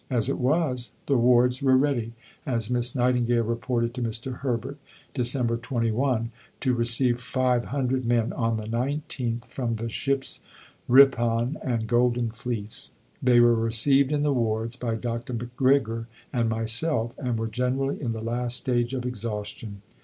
As it was, "the wards were ready," as Miss Nightingale reported to Mr. Herbert (Dec. 21), "to receive 500 men on the 19th from the ships Ripon and Golden Fleece. They were received in the wards by Dr. McGrigor and myself, and were generally in the last stage of exhaustion.